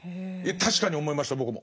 確かに思いました僕も。